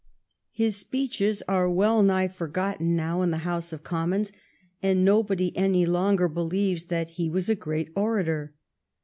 His speeches are well nigh forgotten now in the House of Commons, and nobody any longer believes that he was a great orator.